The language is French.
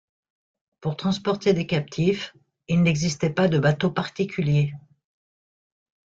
Pour transporter des captifs, il n'existait pas de bateau particulier.